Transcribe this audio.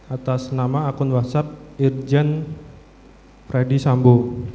atas nama akun whatsapp irjen freddy sambo